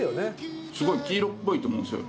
すごい黄色っぽいと思うんですよ